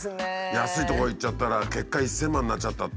安いとこ行っちゃったら結果１，０００万になっちゃったって。